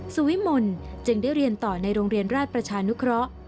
สุวิมลจึงได้เรียนต่อในโรงเรียนราชประชานุเคราะห์